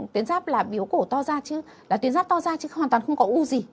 tuyến giáp là bíu cổ to ra chứ là tuyến giáp to ra chứ hoàn toàn không có u gì